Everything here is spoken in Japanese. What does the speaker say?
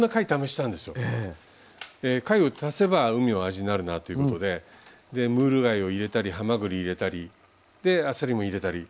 貝を足せば海の味になるなということでムール貝を入れたりはまぐり入れたりであさりも入れたり。